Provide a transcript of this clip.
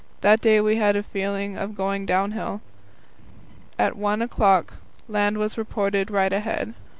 That day we had a feeling of going downhill. At one o'clock land was reported right ahead.